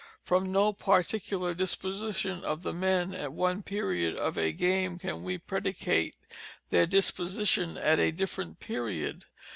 From no particular disposition of the men at one period of a game can we predicate their disposition at a different period.